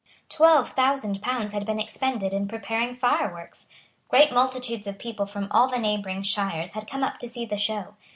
Twelve thousand pounds had been expended in preparing fireworks. Great multitudes of people from all the neighbouring shires had come up to see the show.